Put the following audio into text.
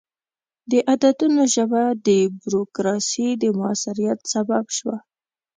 د عددونو ژبه د بروکراسي د موثریت سبب شوه.